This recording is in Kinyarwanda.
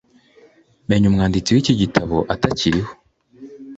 MENYA UMWANDITSI w' iki gitabo atakiriho